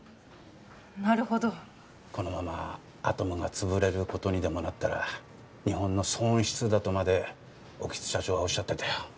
なるほどこのままアトムが潰れることにでもなったら日本の損失だとまで興津社長はおっしゃってたよ